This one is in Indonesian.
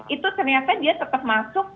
itu ternyata dia tetap masuk